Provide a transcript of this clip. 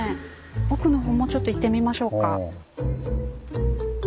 奥のほうもうちょっと行ってみましょうか。